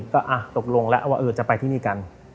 ก็ตกลงแล้วว่าจะไปที่นี่กัน